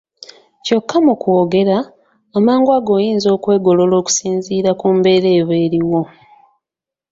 Kyokka mu kwogera, amangu ago oyinza okwegolola okusinziira ku mbeera eba eriwo.